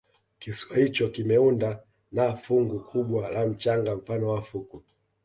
kisiwa hicho kimeunda na fungu kubwa la mchanga mfano wa fukwe